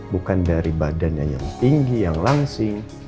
bukan dari badannya yang tinggi yang langsing